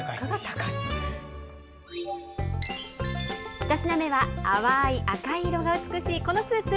１品目は、淡い赤色が美しいこのスープ。